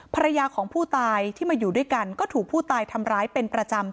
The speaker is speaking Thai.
ภรรยาของผู้ตายที่มาอยู่ด้วยกันก็ถูกผู้ตายทำร้ายเป็นประจำ